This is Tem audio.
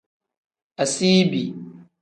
Asiibi.